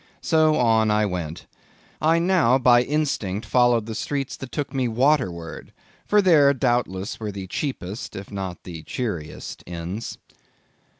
So on I went. I now by instinct followed the streets that took me waterward, for there, doubtless, were the cheapest, if not the cheeriest inns.